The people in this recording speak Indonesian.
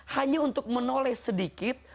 hanya untuk menoleh sedikit